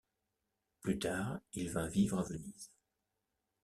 Plus tard il vint vivre à Venise.